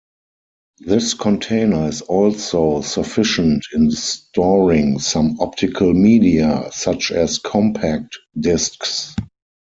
This container is also sufficient in storing some optical media, such as compact disks.